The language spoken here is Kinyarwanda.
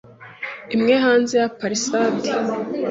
imwe hanze ya palisade.